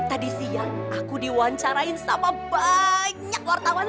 tadi siang aku diwawancarain sama banyak wartawan